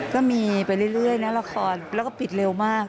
ก็มีไปเรื่อยนะละครแล้วก็ปิดเร็วมาก